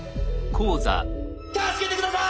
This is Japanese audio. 助けて下さい！